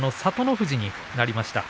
富士になりました。